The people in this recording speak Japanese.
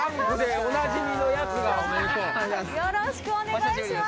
よろしくお願いします。